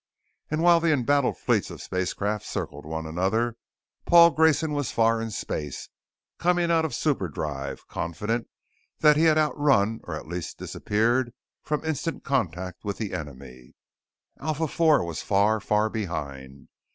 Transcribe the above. And while the embattled fleets of spacecraft circled one another, Paul Grayson was far in space, coming out of superdrive, confident that he had outrun or at least disappeared from instant contact with the enemy. Alpha IV was far, far behind.